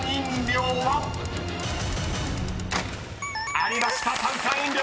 ［ありました「炭酸飲料」］